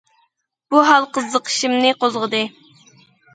بۇ ھال قىزىقىشىمنى قوزغىدى.